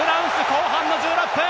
後半の１６分！